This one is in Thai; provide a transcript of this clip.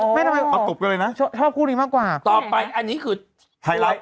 ทำไมออกมาตบกันเลยนะชอบคู่นี้มากกว่าต่อไปอันนี้คือไฮไลท์